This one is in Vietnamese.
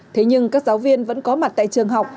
thế nhưng các giáo viên vẫn có mặt tại trường học